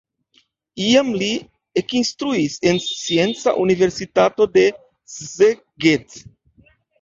Iam li ekinstruis en Scienca Universitato de Szeged.